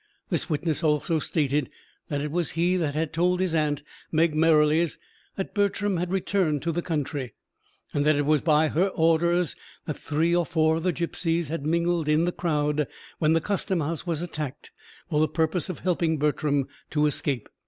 This witness also stated that it was he that had told his aunt, Meg Merrilies, that Bertram had returned to the country; and that it was by her orders that three or four of the gipsies had mingled in the crowd when the custom house was attacked, for the purpose of helping Bertram to escape.